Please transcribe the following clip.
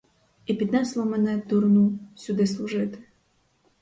І піднесло мене, дурну, сюди служити!